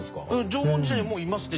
縄文時代はもういますね。